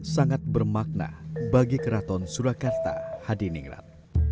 sangat bermakna bagi keraton surakarta hadiningrat